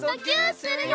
するよ！